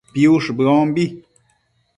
piush bëombi